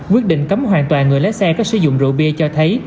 quyết định cấm hoàn toàn người lái xe có sử dụng rượu bia cho thấy